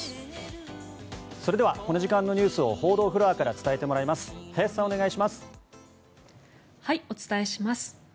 それではこの時間のニュースを報道フロアから伝えてもらいますお伝えします。